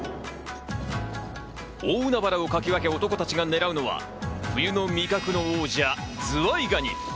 大海原をかき分け男たちが狙うのは冬の味覚の王者・ズワイガニ。